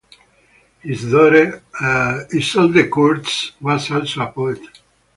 His daughter, Isolde Kurz, was also a poet.